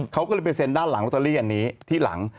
เขาก็เลยไปเซ็นด้านหลังลอตเตอรี่อันนี้ที่หลัง